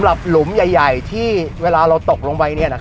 มันไม่กระแท่กะทันแบบ